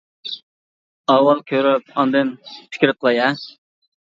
ئاۋۋال كۆرۈپ ئاندىن پىكىر قىلاي ھە.